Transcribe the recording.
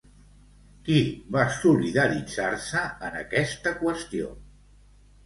Qui va solidaritzar-se en aquesta qüestió?